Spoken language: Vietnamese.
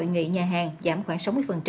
hội nghị nhà hàng giảm khoảng sáu mươi